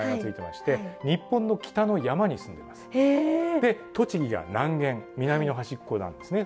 で栃木が南限南の端っこなんですね。